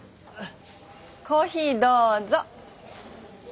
コーヒーどうぞ。